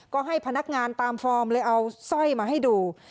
ก็ให้พนักงานตามฟอร์มเลยเอาสร้อยมาให้ดู